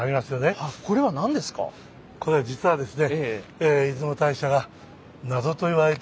これは実はですね